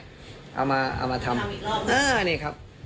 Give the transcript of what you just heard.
เอามาทำเออนี่ครับ